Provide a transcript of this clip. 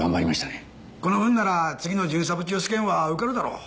この分なら次の巡査部長試験は受かるだろう。